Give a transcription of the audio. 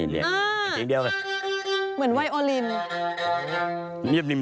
เหมือนไวโอลิน